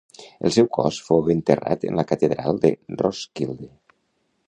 El seu cos fou enterrat en la Catedral de Roskilde.